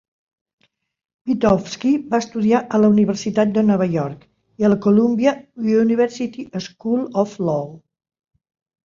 Pitofsky va estudiar a la Universitat de Nova York i a la Columbia University School of Law.